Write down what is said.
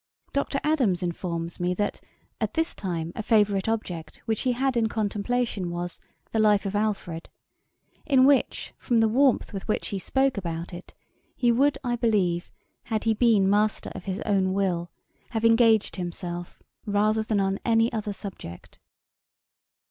Dr. Adams informs me, that 'at this time a favourite object which he had in contemplation was The Life of Alfred; in which, from the warmth with which he spoke about it, he would, I believe, had he been master of his own will, have engaged himself, rather than on any other subject.'